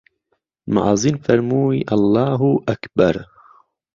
معەزين فهرموی ئهڵڵاهوو ئهکبەر